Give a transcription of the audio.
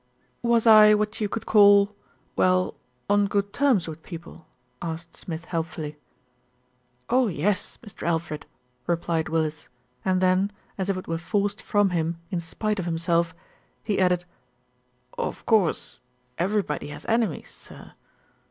"Was I what you could call well, on good terms with people?" asked Smith helpfully. "Oh, yes! Mr. Alfred," replied Willis, and then, as if it were forced from him in spite of himself, he added, "Of course everybody has enemies, sir."